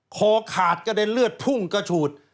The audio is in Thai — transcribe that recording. คอขาดกระเด็นเลือดพุ่งกระฉูด